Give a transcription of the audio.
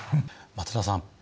松田さん